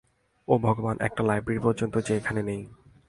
ও ভগবান, একটা লাইব্রেরি পর্যন্ত যে এখানে নাই!